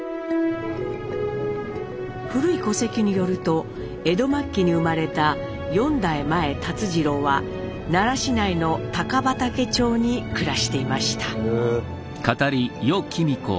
古い戸籍によると江戸末期に生まれた４代前辰次郎は奈良市内の高畑町に暮らしていました。